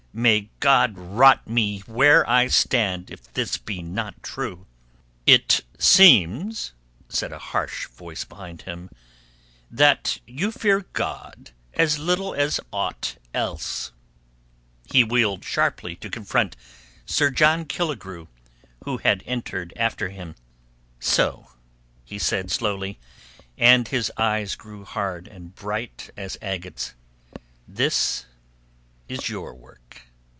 May God rot me where I stand if this be not true!" "It seems," said a harsh voice behind him, "that you fear God as little as aught else." He wheeled sharply to confront Sir John Killigrew, who had entered after him. "So," he said slowly, and his eyes grew hard and bright as agates, "this is your work."